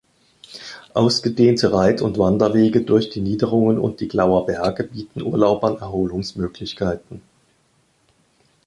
Ausgedehnte Reit- und Wanderwege durch die Niederung und die Glauer Berge bieten Urlaubern Erholungsmöglichkeiten.